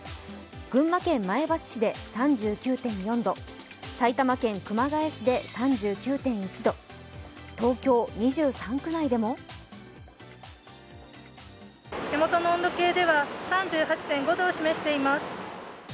群馬県前橋市で３９．４度埼玉県熊谷市で３９．１度東京２３区内でも手元の温度計では３８．５度を示しています。